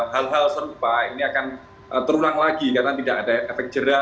hal hal serupa ini akan terulang lagi karena tidak ada efek jerah